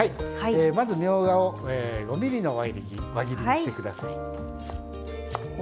まず、みょうがを５ｍｍの輪切りにしてください。